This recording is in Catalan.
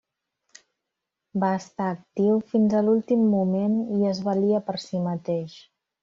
Va estar actiu fins a l'últim moment i es valia per si mateix.